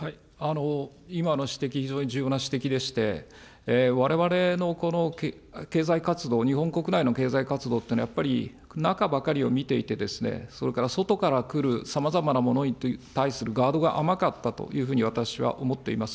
今の指摘、非常に重要な指摘でして、われわれの経済活動、日本国内の経済活動っていうのは、やっぱり、中ばかりを見ていて、それから外から来るさまざまなものに対するガードが甘かったというふうに私は思っています。